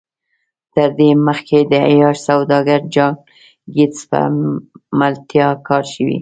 تر دې مخکې د عیاش سوداګر جان ګیټس په ملتیا کار شوی و